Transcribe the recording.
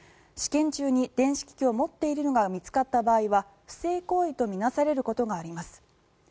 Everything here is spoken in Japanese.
試験中に電子機器を持っているのが見つかった場合は不正行為と見なされることがあります。